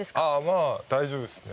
まあ、大丈夫ですね。